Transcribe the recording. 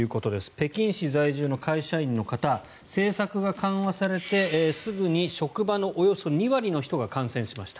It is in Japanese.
北京市在住の会社員の方政策が緩和されてすぐに職場のおよそ２割の人が感染しました。